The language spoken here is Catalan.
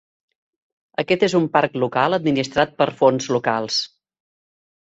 Aquest és un parc local administrat per fons locals.